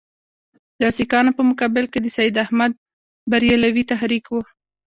د سیکهانو په مقابل کې د سید احمدبرېلوي تحریک وو.